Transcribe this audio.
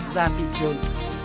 ra thị trường